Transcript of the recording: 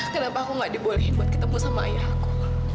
kenapa aku tidak dibolehi ketemu dengan ayahku